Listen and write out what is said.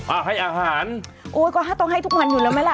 อ่ะให้อาหารโอ้ยก็ห้าต้องให้ทุกวันอยู่แล้วไหมล่ะ